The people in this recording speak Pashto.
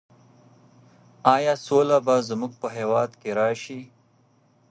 ایا سوله به زموږ په هېواد کې راسي؟